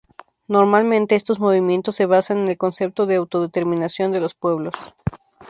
Normalmente estos movimientos se basan en el concepto de autodeterminación de los pueblos.